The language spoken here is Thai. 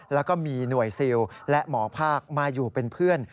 แล้วก็มีหน่วยซิลและหมอภาคมาอยู่เป็นเพื่อน